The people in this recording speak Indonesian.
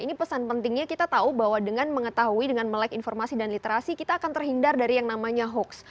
ini pesan pentingnya kita tahu bahwa dengan mengetahui dengan melek informasi dan literasi kita akan terhindar dari yang namanya hoax